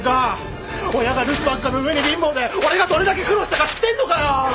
親が留守ばっかの上に貧乏で俺がどれだけ苦労したか知ってんのかよ！